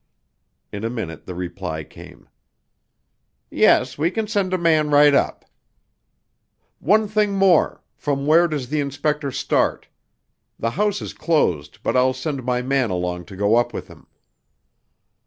In a minute the reply came. "Yes, we can send a man right up." "One thing more from where does the inspector start? The house is closed, but I'll send my man along to go up with him."